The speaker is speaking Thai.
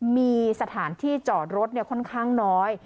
มีสถานที่จอดรถค่อนข้างน้อย